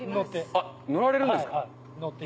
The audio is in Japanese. あっ乗られるんですか？